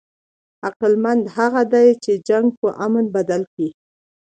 عقلمند هغه دئ، چي جنګ په امن بدل کي.